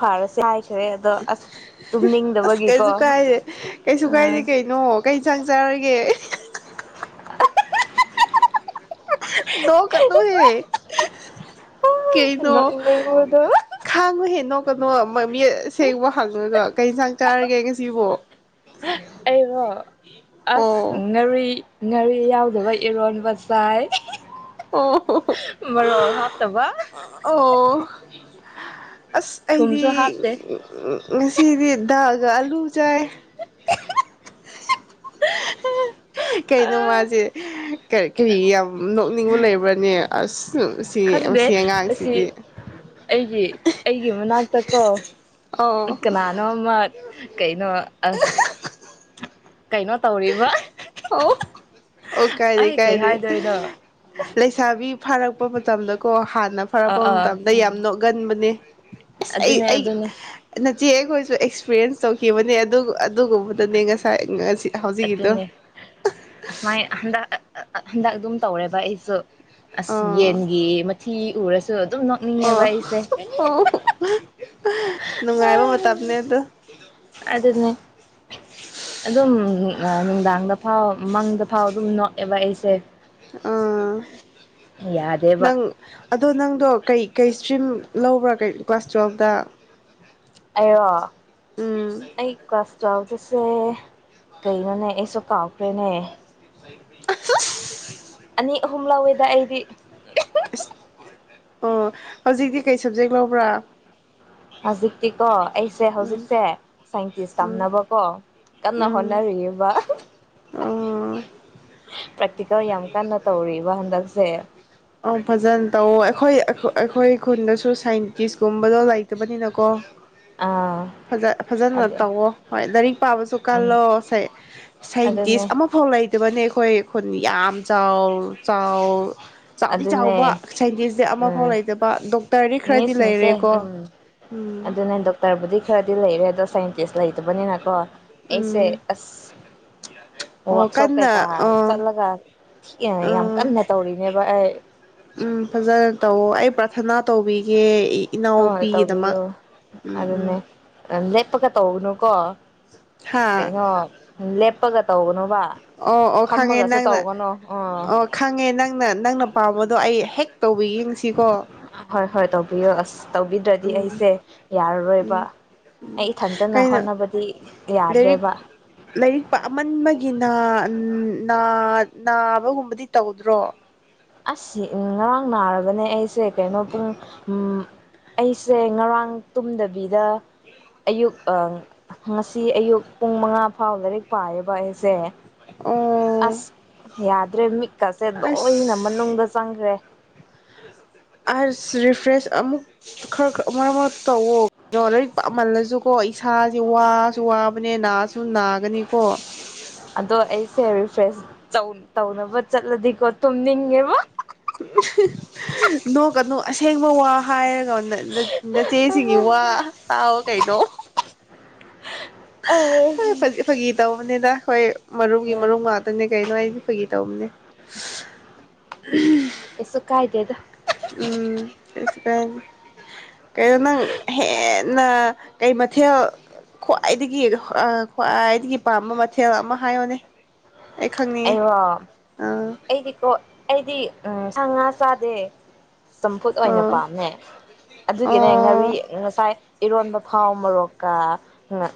ꯐꯥꯔꯁꯦ ꯍꯥꯏꯈ꯭ꯔꯦ ꯑꯗꯣ ꯑꯁ ꯑꯁ ꯇꯨꯝꯅꯤꯡꯗꯕꯒꯤꯀꯣ ꯀꯩꯁꯨ ꯀꯥꯏꯗꯦ ꯀꯩꯁꯨ ꯀꯥꯏꯗꯦ ꯑꯥ ꯀꯩꯅꯣ ꯀꯩ ꯏꯟꯁꯥꯡ ꯆꯥꯔꯒꯦ ꯅꯣꯛ ꯅꯣꯛꯅꯨꯍꯦ ꯀꯩꯅꯣ ꯅꯣꯛꯅꯤꯡꯕꯗꯣ ꯈꯥꯡꯉꯨꯍꯦ ꯅꯣꯛ ꯀꯣ [unintelligible] ꯃꯃꯤ ꯁꯦꯡꯕ ꯍꯪꯉꯒ ꯀꯩ ꯏꯟꯁꯡ ꯆꯥꯔꯒꯦ ꯉꯁꯤꯕꯣ ꯑꯩꯔꯣ ꯑꯁ ꯑꯣ ꯉꯥꯔꯤ ꯉꯥꯔꯤ ꯌꯥꯎꯗꯕ ꯏꯔꯣꯟꯕꯁꯦ ꯄꯥꯏ ꯑꯣ ꯃꯔꯣ ꯍꯥꯞ ꯇꯕ [unintelligible] ꯑꯁ ꯑꯩꯗꯤ ꯍꯥꯞꯇꯦ ꯉꯁꯤꯗꯤ ꯗꯥꯜ ꯒꯥ ꯑꯥꯂꯨ ꯆꯥꯏ ꯫ ꯀꯩꯅꯣ ꯃꯥꯁꯦ ꯀꯔꯤ ꯌꯥꯝ ꯅꯣꯛꯅꯤꯡꯕ ꯂꯩꯕ꯭ꯔꯅꯦ ꯑꯁ ꯁꯤ ꯈꯪꯗꯦ ꯃꯁꯤ ꯑꯁꯤ ꯑꯉꯥꯡꯁꯤꯗꯤ ꯑꯩꯒꯤ ꯑꯩꯒꯤ ꯃꯅꯥꯛ ꯇꯥꯀꯣ ꯑꯧ ꯀꯅꯥꯅꯣꯃ ꯀꯩ ꯅꯣ ꯑꯁ! ꯀꯩꯅꯣ ꯇꯧꯔꯤꯕ ꯑꯣ꯫ ꯑꯣ ꯀꯥꯏꯗꯦ- ꯑꯩ ꯀꯩ ꯀꯥꯏꯗꯦ ꯍꯥꯏꯗꯣꯏꯅꯣ ꯂꯩꯁꯥꯕꯤ ꯐꯥꯔꯛꯄ ꯃꯇꯝꯗ ꯀꯣ ꯍꯥꯟꯅ ꯑꯥ ꯐꯔꯛꯄ ꯑꯥ ꯃꯇꯝꯗ ꯌꯥꯝ ꯅꯣꯛꯒꯟꯕꯅꯦ ꯑꯁ ꯑꯗꯨꯅꯦ ꯑꯩ ꯑꯗꯨꯅꯦ ꯆꯦ ꯑꯩꯈꯣꯏꯁꯨ ꯑꯦꯛꯁꯄꯤꯔꯤꯌꯦꯟꯁ ꯇꯧꯈꯤꯕꯅꯦ ꯑꯗꯨꯒꯨꯝꯕꯗꯅꯦ ꯉꯁꯥꯏ ꯉꯁꯤ ꯍꯧꯖꯤꯛꯀꯤꯗꯣ ꯑꯗꯨꯅꯦ ꯑꯁꯨꯃꯥꯏ ꯍꯟꯗꯛ ꯍꯟꯗꯛ ꯑꯗꯨꯝ ꯇꯧꯔꯦꯕ ꯑꯩꯁꯨ꯫ ꯑꯁ ꯑꯥ ꯌꯦꯟꯒꯤ ꯊꯤ ꯎꯔꯁ ꯑꯗꯨꯨ ꯑꯗꯨꯝ ꯑꯣ ꯅꯣꯛꯅꯤꯡꯉꯦꯕ ꯑꯩꯁꯦ ꯫ ꯑꯣ ꯅꯨꯡꯉꯥꯏꯕ ꯃꯇꯝꯅꯦ ꯑꯗꯨ꯫ ꯑꯗꯨꯅꯦ ꯑꯗꯨꯝ ꯅꯨꯡꯗꯥꯡꯗ ꯐꯥꯎ ꯃꯪꯗ ꯐꯥꯎ ꯑꯗꯨꯝ ꯅꯣꯛꯑꯦꯕ ꯑꯩꯁꯦ꯫ ꯑꯥ ꯌꯥꯗꯦꯕ ꯅꯪ ꯑꯗꯣ ꯅꯪꯗꯣ ꯀꯩ ꯀꯩ ꯏꯁꯇ꯭ꯔꯤꯝ ꯂꯧꯕ꯭ꯔꯥ ꯀ ꯀꯂ꯭ꯁ ꯇ꯭ꯋꯦꯜꯐꯗ ꯑꯣ꯫ ꯑꯩ ꯀꯂ꯭ꯥꯁ ꯇꯨꯌꯦꯜꯞ ꯇꯁꯦ ꯀꯩꯅꯣꯅꯦ ꯑꯩꯁꯨ ꯀꯥꯎꯈ꯭ꯔꯦꯅꯦ ꯫ ꯑ ꯑꯅꯤ - ꯑꯍꯨꯝ ꯂꯧꯥꯎꯋꯦꯗ ꯑꯩꯗꯤ꯫ ꯔꯦ ꯑꯣ ꯍꯧꯖꯤꯛꯇꯤ ꯀꯩ ꯁꯕꯖꯦꯛ ꯂꯧꯕ꯭ꯔꯥ? ꯍꯧꯖꯤꯛꯇꯤꯀꯣ ꯑꯩꯁꯦ ꯎꯝ ꯍꯧꯖꯤꯛꯁꯦ ꯁꯥꯏꯟꯇꯤꯁ ꯎꯝ ꯇꯝꯅꯕꯀꯣ ꯀꯥꯟꯅ ꯎꯝ ꯍꯣꯅꯔꯤꯌꯦꯕ꯫ ꯑꯣ ꯄ꯭ꯔꯦꯛꯇꯤꯀꯦꯜ ꯌꯥꯝ ꯀꯟꯅ ꯇꯧꯔꯤꯕ ꯍꯟꯗꯛꯁꯦ꯫ ꯑ ꯐꯖꯅ ꯇꯧꯋ ꯑꯩꯈꯣꯏ ꯑꯩꯈꯣꯏ ꯈꯨꯟꯗꯁꯨ ꯁꯥꯏꯟꯇꯤꯁꯀꯨꯝꯕꯗꯣ ꯂꯩꯇꯕꯅꯤꯅꯀꯣ ꯑꯥ ꯐꯖꯅ ꯑꯗ ꯇꯧꯋꯣ ꯍꯣꯏ ꯂꯥꯏꯔꯤꯛ ꯄꯥꯕꯁꯨ ꯎꯝ ꯀꯜꯂꯣ ꯁꯥꯏꯟꯇꯤꯁ ꯑꯗꯨꯅꯦ ꯑꯃꯐꯥꯎ ꯂꯩꯇꯕꯅꯦ ꯑꯩꯈꯣꯏ ꯈꯨꯟ ꯌꯥꯝ ꯆꯥꯎ - ꯆꯥꯎ ꯆꯥꯎꯗꯤ ꯆꯥꯎꯕ ꯑꯗꯨꯅꯦ ꯁꯥꯏꯟꯇꯤꯁꯗꯤ ꯑꯃꯐꯥꯎ ꯎꯝ ꯂꯩꯇꯕ ꯗꯣꯛ ꯃꯤꯁꯤꯡꯁꯦ ꯎꯝ ꯎꯝ ꯑꯗꯨꯅꯦ ꯗꯣꯛꯇꯔꯕꯨꯗꯤ ꯈꯔꯗꯤ ꯂꯩꯔꯦ ꯑꯗꯣꯥꯁꯨ ꯀꯁꯂ ꯍ ꯇꯕꯨꯅꯤ ꯅꯅꯥꯀꯣ ꯑꯩꯁꯦ ꯎꯝ ꯑꯁ ꯑꯣ ꯋꯥꯥꯛꯁꯣꯞ ꯀꯟꯅ ꯀꯩꯀꯥ ꯑꯥ ꯆꯠꯂꯒ ꯌꯥꯝ ꯑꯥ ꯀꯟꯅ ꯇꯧꯔꯤꯅꯦꯕ ꯑꯩ ꯇꯧ ꯑꯩ ꯄ꯭ꯔꯥꯊꯅꯥ ꯇꯧꯕꯤꯒꯦ꯫ ꯍꯣꯏ ꯏꯅꯥꯎꯄꯤꯒꯤꯗꯃꯛ ꯇꯧꯕꯌꯣ ꯎꯝ ꯎꯝ ꯑꯗꯨꯅꯦ [unintelligible] [unintelligible] ꯇꯧꯅꯨꯀꯣ ꯍꯥ ꯀꯩꯅꯣ ꯂꯦꯞ ꯄꯒ ꯇꯧꯕꯅꯣꯕ ꯑꯣ ꯑꯣ ꯈꯪꯉꯦ ꯅꯪꯅ ꯑꯥ ꯑꯣ ꯈꯪꯉꯦ ꯅꯪꯅ ꯅꯪꯅ ꯅꯪꯅ ꯄꯥꯕꯗꯣ ꯑꯩ ꯍꯦꯛ ꯇꯧꯕꯤꯒꯦ ꯉꯁꯤꯀꯣ ꯍꯣꯏ - ꯍꯣꯏ ꯇꯧꯕꯤꯌꯣ ꯑꯁ ꯇꯧꯕꯤꯗ꯭ꯔꯗꯤ ꯎꯝ ꯑꯩꯁꯦ ꯌꯥꯔ ꯔꯣꯏꯕ ꯎꯝ ꯑꯩ ꯏꯊꯟꯇꯅ ꯀꯩꯅꯣ ꯍꯣꯠꯅꯕꯗꯤ ꯂꯥꯏꯔꯤꯛ ꯌꯥꯗ꯭ꯔꯦꯕ꯫ ꯎꯝ ꯅꯥꯕꯒꯨꯝꯕꯗꯤ ꯇꯧꯗ꯭ꯔꯣ? ꯑꯁ ꯉꯔꯥꯡ ꯅꯥꯔꯕꯅꯦ ꯑꯩꯁꯦ꯫ ꯀꯩꯅꯣ ꯄꯨꯡ ꯎꯝ ꯑꯩꯁꯦ ꯉꯔꯥꯡ ꯇꯨꯝꯗꯕꯤꯗ ꯑꯌꯨꯛ ꯉꯁꯤ ꯑꯌꯨꯛ ꯄꯨꯡ ꯃꯉꯥ ꯐꯥꯎ ꯂꯥꯏꯔꯤꯛ ꯄꯥꯏꯌꯦꯕ ꯑꯩꯁꯦ ꯑꯣ꯫ ꯑꯁ ꯌꯥꯗ꯭ꯔꯦ ꯃꯤ ꯀꯁꯦ ꯂꯣꯏꯅ ꯑꯁ ꯃꯅꯨꯡꯗ ꯆꯪꯈ꯭ꯔꯦ꯫ ꯔꯤꯐ꯭ꯔꯦꯁ ꯑꯃꯨꯛ ꯈꯔꯔ ꯃꯔꯛ ꯃꯔꯛ ꯇꯧꯋ ꯀꯣ ꯂꯥꯏꯔꯤꯛꯥꯃꯜꯂꯁꯨꯀꯣ ꯏꯁꯥꯁꯦ ꯋꯥꯁꯨ ꯋꯥꯕꯅꯦ ꯅꯥꯁꯨ ꯅꯥꯒꯅꯤꯀꯣ ꯑꯗꯣ ꯑꯩꯁꯦ ꯐ꯭ꯔꯦꯁ ꯇꯧꯅꯕ ꯆꯠꯂꯗꯤꯀꯣ ꯇꯨꯝꯅꯤꯡꯉꯦꯕ ꯅꯣꯛ ꯀꯅꯨ ꯑꯁꯦꯡꯕ ꯋꯥ ꯍꯥꯏꯔ ꯅ ꯆꯦꯁꯤꯡꯒꯤ ꯋꯥ ꯇꯥꯎ꯫ ꯀꯩꯅꯣ? ꯐ ꯐꯒꯤ ꯇꯧꯕꯅꯦꯗꯥ ꯫ ꯍꯣꯏ꯫ ꯃꯔꯨꯝꯒꯤ ꯃꯔꯨꯝ ꯉꯥꯛꯇꯅꯦ ꯀꯩꯅꯣ ꯑꯩꯗꯤ ꯐꯩꯒꯤ ꯇꯧꯕꯅꯦ꯫ ꯎꯝ꯫ ꯌꯦꯁꯨ ꯀꯥꯏꯗꯦꯗ ꯎꯝ ꯑꯁꯤꯄꯥꯏ ꯀ ꯅꯪ ꯍꯦ ꯅ ꯀꯩ ꯃꯊꯦꯜ ꯈ꯭ꯋꯥꯏꯗꯒꯤ ꯈ꯭ꯋꯥꯏꯗꯒꯤ ꯄꯥꯝꯕ ꯃꯊꯦꯜ ꯑꯃ ꯍꯥꯏꯌꯣꯅꯦ ꯑꯩ ꯋꯥ ꯑꯥ ꯑꯩꯗꯤꯀꯣ ꯑꯩꯗꯤ ꯎꯝ ꯁꯪꯉ ꯆꯥꯗꯦ ꯆꯝꯐꯨꯠ ꯑꯣꯏꯅ ꯑꯣ ꯄꯥꯝꯃꯦ ꯑꯗꯨꯒꯤꯅꯦ ꯑꯣ ꯉꯥꯔꯤ ꯉꯁꯥꯏ ꯏꯔꯣꯟꯕ ꯐꯥꯎ ꯃꯔꯣꯔꯣꯛ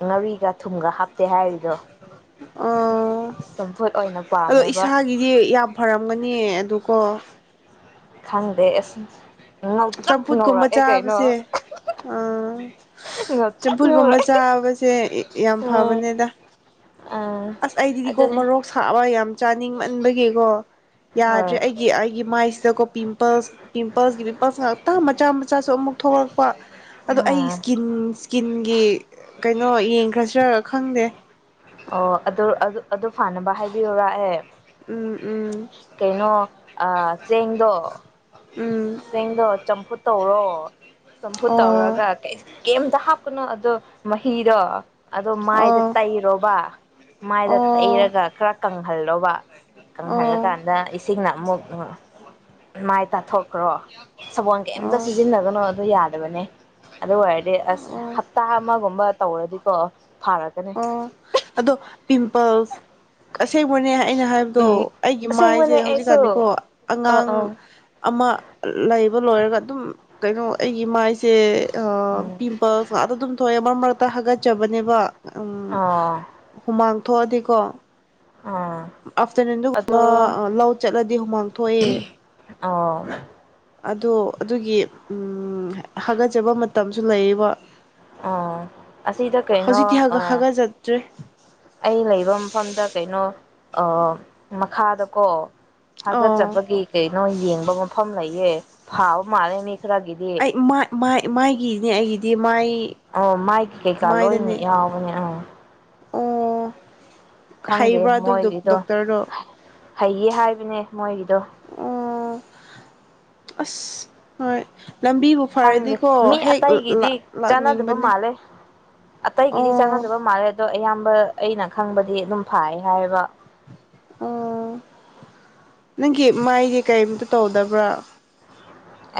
ꯉꯥꯔꯤꯒ ꯊꯨꯝꯒ ꯍꯥꯞꯇꯦ ꯍꯥꯏꯔꯤ ꯗ ꯑꯣ ꯑꯗꯣ ꯄꯥꯝꯃꯦꯕ ꯏꯁꯥꯒꯤꯗꯤ ꯌꯥꯝ ꯐꯔꯝꯒꯅꯤ ꯑꯗꯨꯀꯣ ꯈꯪꯗꯦ ꯑꯁ ꯉꯧꯇ꯭ꯔꯛ ꯆꯝꯐꯨꯠ ꯀꯨꯝꯕ ꯉꯧꯔꯛꯑꯦ ꯀꯩꯅꯣ ꯆꯥꯕꯁꯦ ꯑꯥ ꯉꯧꯇ꯭ꯔꯛ ꯆꯝꯐꯨꯠꯀꯨꯝꯕ ꯉꯧꯔꯛꯑꯦ ꯆꯥꯕꯁꯦ ꯌꯥꯝ ꯐꯕꯅꯦꯗ ꯑꯥ ꯑꯁ ꯑꯩꯗꯤꯗꯤꯀꯣ ꯑꯗꯨꯅꯦ ꯃꯔꯣꯛ ꯁꯥꯕ ꯌꯥꯝ ꯆꯥꯅꯤꯡꯃꯟꯕꯒꯤꯀꯣ ꯌꯥꯗ꯭ꯔꯦ ꯍꯣꯏ ꯑꯩꯒꯤ ꯑꯩꯒꯤ ꯃꯥꯏꯁꯤꯗꯀꯣ ꯄꯤꯝꯄꯜꯁ ꯄꯤꯝꯄꯜꯁꯒꯤ ꯄꯤꯝꯄꯜꯁ ꯉꯥꯛꯇ ꯃꯆꯥ ꯃꯆꯥꯁꯨ ꯑꯃꯨꯛ ꯊꯣꯛꯂꯛꯦ ꯋꯥ ꯑꯗꯣ ꯑꯩ ꯑꯥ ꯏꯁꯀꯤꯟ ꯏꯁꯀꯤꯟꯒꯤ ꯀꯩꯅꯣ ꯌꯦꯡꯈ꯭ꯔꯁꯤꯔ ꯈꯪꯗꯦ ꯑꯣ ꯑꯗꯨ ꯑꯗꯨ ꯑꯗꯨ ꯐꯥꯅꯕ ꯍꯥꯏꯕꯤꯌꯨꯔꯛꯑꯦ ꯎꯝ ꯎꯝ ꯀꯩꯅꯣ ꯑ ꯆꯦꯡꯗꯣ ꯎꯝ ꯁꯤꯡꯗꯣ ꯆꯝꯐꯨꯠ ꯇꯧꯔꯣ ꯁꯨꯝꯐꯨ ꯑꯣ ꯇꯧꯔꯒ ꯀꯩꯝꯇ ꯍꯥꯞꯀꯅꯣ ꯑꯗꯣ ꯃꯍꯤꯔ ꯑꯗꯣ ꯃꯥꯏꯗ ꯑꯣ ꯇꯛꯏꯔꯣꯕ ꯃꯥꯏꯗ ꯑꯣ ꯇꯛꯏꯔꯒ ꯈꯔ ꯀꯪ ꯍꯜꯂꯣꯕ ꯀꯪꯍꯜꯂ ꯑꯣ ꯀꯥꯟꯗ ꯏꯁꯤꯛꯅ ꯃꯨꯛ ꯃꯥꯏ ꯇꯊꯣꯛ ꯀ꯭ꯔꯣ ꯁꯕꯣꯜ ꯀꯩꯝꯇ ꯑꯣ ꯁꯤꯖꯤꯟꯅꯒꯅꯣ ꯑꯗꯨ ꯌꯥꯔ ꯑꯗꯨꯗꯕꯅꯦ ꯑꯗꯨ ꯑꯣꯏꯔꯗꯤ ꯑꯁ ꯑꯣ ꯍꯞꯇꯥ ꯑꯃꯒꯨꯝꯕ ꯇꯧꯔꯗꯤꯀꯣ ꯐꯥꯔꯛꯀꯅꯤ ꯑꯣ ꯑꯗꯣ ꯄꯤꯝꯄꯜꯁ ꯑꯁꯦꯡꯕꯅꯦ ꯑꯩꯅ ꯍꯥꯏꯕꯗꯣ ꯎꯝ ꯑꯩꯒꯤ ꯃꯥꯏꯁꯦ ꯑꯁꯦꯡꯕꯅꯦ ꯑꯩꯁꯨ ꯍꯧꯖꯤꯛꯀꯥꯟꯅꯤꯀꯣ ꯑ ꯑꯉꯥꯡ ꯑ ꯑꯃ ꯂꯩꯕ ꯂꯣꯏꯔꯒ ꯑꯗꯨꯝ ꯀꯩꯅꯣ ꯑꯩꯒꯤ ꯃꯥꯏꯁꯦ ꯁꯦ ꯎꯝ ꯄꯤꯝꯄꯜꯁ ꯑꯥꯗ ꯑꯗꯨꯝ ꯊꯣꯛꯑꯦ ꯃꯔꯛ ꯃꯔ ꯇ ꯍꯥꯒꯠꯆꯕꯅꯦꯕ ꯑ ꯍꯨꯃꯥꯡ ꯊꯣꯛꯑꯗꯤꯀꯣ ꯑ ꯑꯗꯣ ꯑꯥꯐꯇꯔꯅꯨꯟꯗꯨꯒꯨꯝꯕ ꯂꯧ ꯆꯠꯂꯗꯤ ꯍꯨꯃꯥꯡ ꯊꯣꯛꯑꯦ ꯑꯥ ꯑꯗꯣ ꯑꯗꯨꯒꯤ ꯍꯥꯒꯠꯆꯕ ꯃꯇꯝꯁꯨ ꯂꯩꯔꯤꯕ ꯑꯣ ꯑꯁꯤꯗ ꯀꯩꯅꯣ ꯍꯥꯒ ꯍꯥꯒꯠꯆꯗ꯭ꯔꯦ ꯑꯩ ꯂꯩꯕ ꯃꯐꯝꯗ ꯀꯩꯅꯣ ꯑ ꯃꯈꯥꯗꯀꯣ ꯑꯣ ꯍꯥꯒꯠꯆꯕꯒꯤ ꯀꯩꯅꯣ ꯌꯦꯡꯕ ꯃꯐꯝ ꯂꯩꯌꯦ ꯍꯥꯎ ꯃꯥꯜꯂꯦꯅꯤ ꯑꯩꯥꯏ ꯃꯥꯏꯒꯤꯅꯦ ꯑꯩꯒꯤ ꯗꯤꯃꯥꯏ ꯑꯣ ꯃꯥꯏ ꯀꯩ ꯀꯩꯀꯥ ꯂꯣꯏꯅꯤ ꯌꯥꯎꯕꯅꯦ ꯑ ꯑꯣ ꯈꯪꯗꯦ ꯍꯩꯕ꯭ꯔꯥ ꯑꯗꯨ ꯃꯣꯏꯒꯤꯗꯣ ꯗꯣꯛꯇꯔꯗꯣ ꯍꯩꯌꯦ ꯍꯥꯏꯕꯅꯦ ꯃꯣꯏꯒꯤꯗꯣ ꯑꯣ ꯑꯁ ꯍꯣꯏ ꯂꯝꯕꯤꯕꯨ ꯈꯪꯗꯦ ꯐꯔꯗꯤꯀꯣ ꯃꯤ ꯍꯦꯛ ꯑꯇꯩꯒꯤꯗꯤ ꯆꯥꯟꯅꯗꯕ ꯂꯥꯛꯅꯤꯡꯕꯅꯦ ꯃꯥꯜꯂꯦ ꯑꯇꯩꯒꯤꯗꯤ ꯑꯣ ꯆꯥꯟꯅꯗꯕ ꯃꯥꯜꯂꯦ ꯑꯗꯣ ꯑꯌꯥꯝꯕ ꯑꯩꯅ ꯈꯪꯕꯗꯤ ꯑꯗꯨꯝ ꯐꯥꯏ ꯍꯥꯏꯕ ꯑꯣ ꯅꯪꯒꯤ ꯃꯥꯏꯁꯦ ꯀꯩꯝꯇ ꯇꯧꯗꯕ꯭ꯔꯥ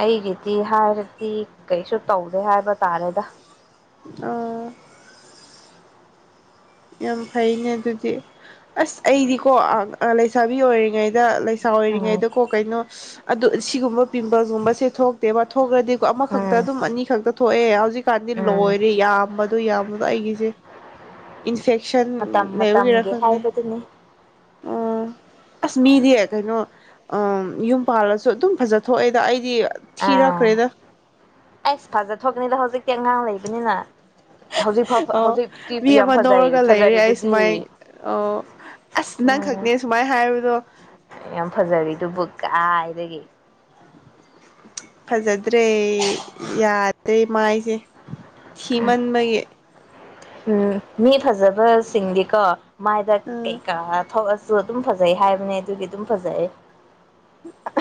ꯑꯩꯒꯤꯗꯤ ꯍꯥꯏꯔꯗꯤ ꯀꯩꯁꯨ ꯇꯧꯗꯦ ꯍꯥꯏꯕ ꯇꯥꯔꯦꯗ ꯑꯣ ꯌꯥꯝ ꯐꯩꯅꯦ ꯑꯗꯨꯗꯤ ꯑꯁ ꯑꯩꯗꯤꯀꯣ ꯂꯩꯁꯥꯕꯤ ꯑꯣꯏꯔꯤꯉꯩꯗ ꯗ ꯂꯩꯁꯥ ꯎꯝ ꯑꯣꯏꯔꯤꯉꯩꯗꯀꯣ ꯀꯩꯅꯣ ꯁꯤꯒꯨꯝꯕ ꯄꯤꯝꯄꯜꯁꯒꯨꯝꯕꯁꯦ ꯊꯣꯛꯇꯦꯕ ꯊꯣꯛꯈ꯭ꯔꯗꯤꯀꯣ ꯑꯃꯈꯛꯇ ꯎꯝ ꯑꯗꯨꯝ ꯑꯅꯤ ꯈꯛꯇ ꯊꯣꯛꯑꯦ ꯍꯧꯖꯤꯛ ꯀꯥꯟꯗꯤ ꯎꯝ ꯂꯣꯏꯔꯦ ꯌꯥꯝꯕ ꯑꯗꯨ ꯌꯥꯕꯗꯣ ꯑꯩꯒꯤꯁꯦ ꯏꯟꯐꯦꯛꯁꯟ ꯃꯇꯝ ꯂꯩꯕꯅꯤꯔ ꯃꯇꯝꯒꯤ ꯈꯪꯦ ꯍꯥꯏꯕꯗꯨꯅꯤ ꯑꯣ ꯑꯁ ꯃꯤꯗꯤ ꯀꯩꯅꯣ ꯌꯨꯝ ꯄꯥꯜꯂꯁꯨ ꯑꯗꯨꯝ ꯐꯖ ꯊꯣꯛꯑꯦꯗ ꯑꯩꯗꯤ ꯊꯤꯔꯥ ꯑꯥ ꯈꯔꯦꯗ ꯑꯩꯁ ꯐꯖ ꯊꯣꯛꯀꯅꯤꯗ ꯍꯧꯖꯤꯛꯇꯤ ꯑꯉꯥꯡ ꯂꯩꯕꯅꯤꯅ ꯍꯧꯖꯤꯛ ꯐꯥꯎ ꯑꯣ ꯍꯧꯖꯤꯛꯇꯤ ꯃꯤ ꯌꯥꯝ ꯑꯃ ꯐꯖ ꯅꯧꯔꯒ ꯐꯖꯔꯤ ꯂꯩꯔꯦ ꯑꯩ ꯑꯗꯨꯗꯤ ꯁꯨꯃꯥꯏ ꯑꯣ ꯑꯁ ꯅꯪ ꯈꯛꯅꯦ ꯁꯨꯃꯥꯏ ꯍꯥꯏꯕꯗꯣ ꯌꯥꯝ ꯐꯖꯔꯤ ꯑꯗꯨꯕꯨ ꯀꯥꯏ ꯗꯒꯤ ꯐꯖꯗ꯭ꯔꯦ ꯌꯥꯗ꯭ꯔꯦ ꯃꯥꯏꯁꯦ ꯊꯤꯃꯟꯕꯒꯤ ꯎꯝ ꯃꯤ ꯐꯖꯕꯁꯤꯡꯗꯤꯀꯣ ꯃꯥꯥꯏꯗꯛ ꯎꯝ ꯀꯩꯀꯥ ꯊꯧꯑꯁꯨ ꯑꯗꯨꯝ ꯐꯖꯩ ꯍꯥꯏꯕꯅꯤ ꯑꯗꯨꯒꯤ ꯑꯗꯨꯝ ꯐꯖꯩ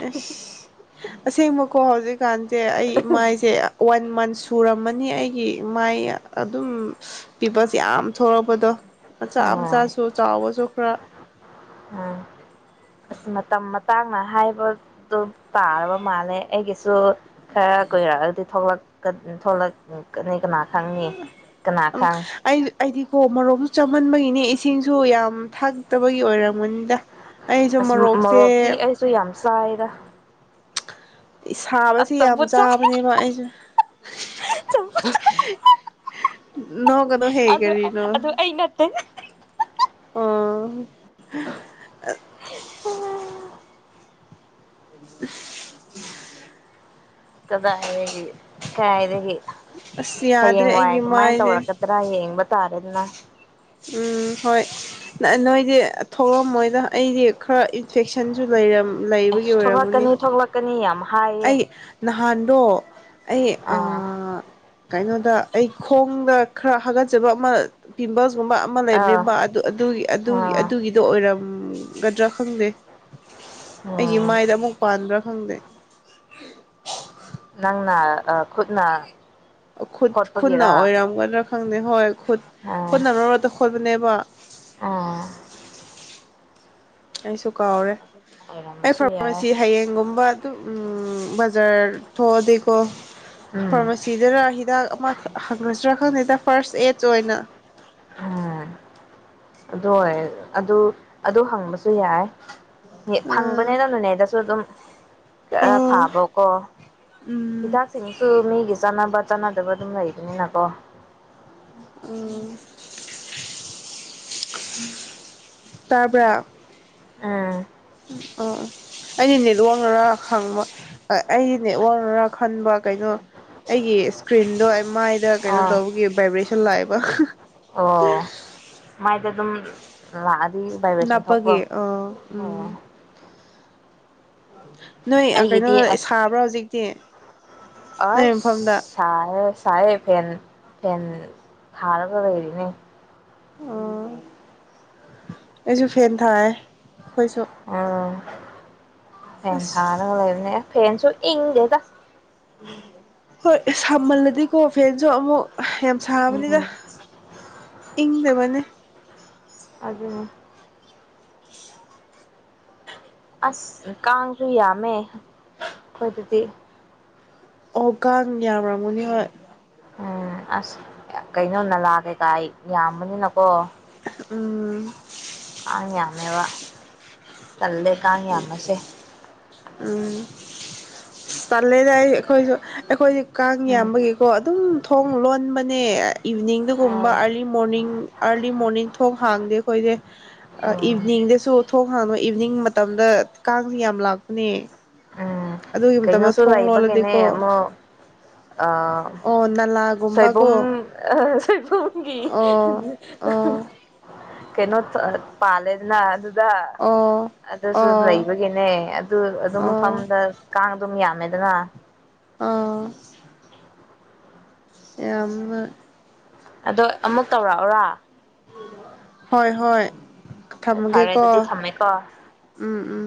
ꯑ ꯑꯁꯤꯁꯦꯡꯃꯛꯀꯣ ꯍꯧꯖꯤꯛ ꯀꯥꯟꯁꯦ ꯑꯩ ꯃꯥꯏꯁꯦ ꯋꯥꯟ ꯃꯟꯁ ꯁꯨꯔꯝꯃꯅꯤ ꯑꯩꯒꯤ ꯃꯥꯏ ꯑꯗꯨꯝ ꯄꯤꯄꯜꯁ ꯌꯥꯝ ꯊꯣꯛꯂꯛꯄꯗꯣ ꯃꯆꯥ ꯎꯝ ꯃꯆꯥꯁꯨ ꯆꯥꯎꯕꯁꯨ ꯈꯔ ꯀꯥꯡꯥꯡꯅ ꯍꯥꯏꯕꯗꯣ ꯄꯥꯔꯔꯕ ꯃꯥꯜꯦ ꯑꯩꯒꯤꯁ ꯁꯨ ꯈꯔ ꯀꯨꯏꯔꯛꯑꯗꯤꯂꯛꯀ ꯊꯣꯛꯂꯛꯀꯅꯤ ꯀꯅꯥ ꯈꯪꯅꯤ ꯎꯝ ꯀꯅꯥꯈꯪ ꯑꯩ ꯑꯩꯗꯤꯀꯣ ꯃꯔꯣꯁꯨ ꯆꯥꯍꯟꯕꯒꯤꯅꯦ ꯏꯁꯤꯡꯁꯨ ꯌꯥꯝ ꯊꯥꯛꯇꯕꯒꯤ ꯑꯣꯏꯔꯝꯃꯅꯤꯗ ꯑꯁ ꯃꯣꯔꯣꯛꯇꯤ ꯑꯩꯁꯨ ꯌꯥꯝ ꯆꯥꯏꯗ ꯑꯁ ꯁꯥꯕꯁꯤ ꯌꯥꯝ ꯆꯝꯐꯨꯠ ꯆꯥꯏ ꯆꯥꯕꯅꯦꯕ ꯑꯩꯁꯨ ꯆꯝꯐꯨꯠ ꯆꯥꯏ ꯑꯗꯨ ꯑꯗꯨ ꯑ ꯅꯠꯇꯦ ꯑꯥ ꯎ [unintelligible] ꯀꯗꯥ ꯍꯥꯏꯗꯒ ꯀꯥꯏꯗꯗꯒꯤ ꯑꯁ ꯌꯥꯗ꯭ꯔꯦ ꯍꯌꯦꯡ ꯋꯥꯏ ꯑꯩꯒꯤ ꯀꯃꯥꯏꯅ ꯃꯥꯏꯁꯦ ꯇꯧꯔꯛꯀꯗ꯭ꯔꯥ ꯌꯦꯡꯕ ꯇꯥꯔꯅ ꯎꯝ ꯍꯣꯏ ꯅꯣꯏꯗꯤ ꯊꯣꯛꯂꯝꯃꯣꯏꯗ ꯑꯩꯗꯤ ꯈꯔ ꯏꯟꯐꯦꯛꯁꯟꯁꯨ ꯂꯩꯔꯝ ꯑꯦꯁ ꯊꯣꯛꯂꯛꯀꯅꯤ ꯊꯣꯛꯂꯛꯀꯅꯤ ꯌꯥꯝ ꯍꯥꯏꯌꯦ ꯑꯩ ꯅꯍꯥꯟꯗꯣ ꯑꯩ ꯑꯥ ꯀꯩꯅꯣꯗ ꯑꯩ ꯈꯣꯡꯗ ꯈꯔ ꯍꯥꯒꯠꯆꯕ ꯑꯃ ꯄꯤꯝꯕꯜꯁ ꯒꯨꯝꯕ ꯑꯃ ꯑꯥ ꯂꯩꯕꯅꯤꯕ ꯑꯗꯨ ꯑꯗꯨꯒꯤ ꯑꯗꯨꯒꯤ ꯑꯥ ꯑꯗꯨꯒꯤꯗꯣ ꯑꯣꯏꯔꯝ ꯗꯔꯛ ꯈꯪꯗꯦ ꯑꯩꯒꯤ ꯎꯝ ꯃꯥꯏꯗ ꯑꯃꯨꯛ ꯄꯥꯟꯗ꯭ꯔꯥ ꯐꯪꯗꯦ ꯅꯪꯅ ꯑ ꯈꯨꯨꯠꯅ ꯈꯨꯠ ꯈꯨꯠꯅ ꯑꯣꯏꯔꯝꯒꯗ꯭ꯔꯥ ꯈꯪꯗꯦ ꯍꯣꯏ ꯑꯥ ꯈꯨꯠꯅ ꯈꯨꯅꯈꯣ ꯋꯥ ꯑꯥ ꯑꯩꯁꯨ ꯀꯥꯎꯔꯦ ꯑꯩ ꯑꯣꯏꯔꯝꯕꯁꯨ ꯌꯥꯏ ꯐꯥꯔꯃꯥꯁꯤ ꯍꯌꯦꯡꯒꯨꯝꯕ ꯑꯗꯨꯝ ꯎ ꯖꯔ ꯊꯣꯗꯤꯀ ꯎꯝ ꯐꯥꯔꯃꯥꯁꯤꯗꯔ ꯍꯤꯗꯥꯛ ꯑꯃ ꯍꯪꯈꯁꯤꯔꯥ ꯈꯪꯗꯦꯗ ꯐꯥꯔꯁ ꯑꯦꯠ ꯆꯣꯏꯅ ꯎꯝ ꯑ ꯑꯗꯨ ꯑꯗꯨ ꯍꯪꯕꯁꯨ ꯌꯥꯏ ꯑꯥ ꯐꯪꯕꯅꯦꯅꯅꯅꯦꯗꯁꯨ ꯑꯗꯨꯝ ꯈꯔ ꯑꯣ ꯐꯥꯕꯀꯣ ꯎꯝ ꯍꯤꯗꯥꯛꯁꯤꯡꯁꯨ ꯃꯤꯒꯤ ꯆꯥꯟꯅꯕ ꯆꯥꯟꯅꯗꯕ ꯑꯗꯨꯝ ꯂꯩꯕꯅꯤꯅꯀꯣ ꯇꯥꯄꯥ ꯑꯥ ꯎ ꯑꯣ ꯑꯩꯗꯤ ꯅꯦꯠ ꯋꯥꯡꯅꯔꯥ ꯈꯪꯕ ꯑꯩꯗꯤ ꯅꯦꯠ ꯋꯥꯡꯅꯔꯥ ꯈꯟꯕ ꯀꯩꯅꯣ ꯑꯩꯒꯤ ꯏꯁꯀ꯭ꯔꯤꯟꯗꯣ ꯃꯥꯏꯗ ꯀꯩꯅꯣ ꯑꯥ ꯇꯧꯕꯒꯤ ꯚꯥꯏꯕ꯭ꯔꯦꯁꯟ ꯂꯥꯛꯑꯦꯕ ꯃꯥ ꯄꯒꯦ ꯑ ꯎꯝ ꯑꯣ ꯍ ꯅꯣꯏ ꯀꯩꯅꯣ ꯁꯥꯕ꯭ꯔꯥ ꯍꯧꯖꯤꯛꯇꯤ ꯑ ꯅꯣꯏ ꯃꯐꯝꯗ ꯁꯥ ꯆꯥꯏꯦ ꯐꯦꯟ ꯐꯦꯟ ꯊꯥꯔꯒ ꯂꯩꯔꯤꯅꯦ ꯑꯣ ꯑꯩꯁꯨ ꯐꯦꯟ ꯊꯥꯏ ꯑꯩꯈꯣꯏꯁꯨ ꯎꯝ ꯐꯦꯟ ꯑꯁ ꯊꯥꯔꯒ ꯂꯩ ꯂꯩꯕꯅꯦ ꯐꯦꯟꯁꯨ ꯏꯪꯗꯦꯗ ꯍꯣꯏ ꯁꯥꯃꯜꯂꯗꯤꯀꯣ ꯐꯦꯟꯁꯨ ꯑꯃꯨꯛ ꯌꯥꯝ ꯁꯥꯕꯅꯤꯗ ꯎꯝ ꯏꯪꯗꯕꯅꯦ ꯑꯗꯨꯅꯦ ꯑꯁ ꯀꯥꯡꯁꯨ ꯌꯥꯝꯃꯦ ꯑꯈꯣꯏꯗꯗꯤ ꯑꯣ ꯀꯥꯡ ꯌꯥꯝꯔꯝꯒꯅꯤ ꯍꯣꯏ ꯎꯝ ꯑꯁ ꯀꯩꯅꯣ ꯅꯂꯥ ꯀꯩꯀꯥꯏ ꯌꯥꯝꯕꯅꯤꯅꯀꯣ ꯎꯝ ꯀꯥꯡ ꯌꯥꯝꯃꯦꯕ ꯇꯜꯂꯦ ꯀꯥꯡ ꯌꯥꯝꯕꯁꯦ ꯎꯝ ꯇꯜꯂꯦꯗ ꯑꯩ ꯑꯈꯣꯏꯁꯨ ꯑꯈꯣꯏ ꯀꯥꯡ ꯎꯝ ꯌꯥꯝꯕꯒꯤꯀꯣ ꯑꯗꯨꯝ ꯊꯣꯡ ꯂꯣꯟꯕꯅꯦ ꯏꯚꯅꯤꯡꯗꯒꯨꯝꯕ ꯎꯝ ꯑꯥꯔꯂꯤ ꯃꯣꯔꯅꯤꯡ ꯑꯥꯔꯂꯤ ꯃꯣꯔꯅꯤꯡ ꯊꯣꯡ ꯍꯥꯡꯗꯦ ꯑꯈꯣꯏꯗꯤ ꯏꯚꯤꯅꯤꯡꯗꯁꯨ ꯊꯣꯡ ꯍꯥꯡꯉꯣꯏ ꯏꯚꯤꯅꯤꯡ ꯃꯇꯝꯗ ꯀꯥꯡꯁꯦ ꯌꯥꯝ ꯂꯥꯛꯄꯅꯦ ꯎꯝ ꯑꯗꯣ ꯀꯩꯅꯣꯁꯨ ꯂꯩꯕꯒꯤꯅꯦ ꯑꯃ ꯑꯥ ꯑꯣ ꯁꯣꯏꯕꯨꯝ ꯅꯂꯥꯒꯨꯝꯕꯀꯣ ꯑ ꯁꯣꯏ ꯑꯣ ꯑꯣ [unintelligible] ꯀꯩꯅꯣ ꯄꯥꯜꯂꯦꯗꯅ ꯑꯗꯨ ꯑꯣ ꯑꯗꯨꯁꯨ ꯑꯣ ꯂꯩꯕꯒꯤꯅꯦ ꯑꯗꯨ ꯑꯗꯨꯝ ꯑꯣ ꯃꯐꯝꯗ ꯀꯥꯡ ꯑꯗꯨꯝ ꯌꯥ ꯃꯦ ꯗꯅꯥ ꯑꯥ ꯌꯥꯝꯃꯦ ꯑꯗꯣ ꯑꯃꯨꯛ ꯇꯧꯔꯛꯎꯔ ꯍꯣꯏ ꯍꯣꯏ ꯍꯣꯏ ꯐꯔꯦ ꯊꯝꯃꯒꯦꯀꯣ ꯑꯗꯨꯗꯤ ꯊꯝꯃꯦꯀꯣ ꯎꯝ ꯎꯝ